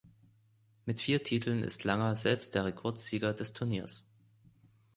Mit vier Titeln ist Langer selbst der Rekordsieger des Turniers.